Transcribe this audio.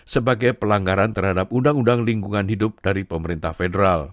sebagai pelanggaran terhadap undang undang lingkungan hidup dari pemerintah federal